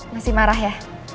masih marah ya